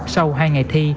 sau hai ngày thi